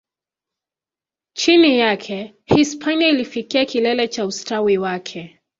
Chini yake, Hispania ilifikia kilele cha ustawi wake.